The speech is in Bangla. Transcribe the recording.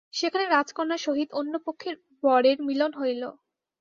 সেখানে রাজকন্যার সহিত অন্যপক্ষের বরের মিলন হইল।